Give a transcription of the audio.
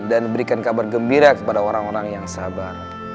dan berikan kabar gembira kepada orang orang yang sabar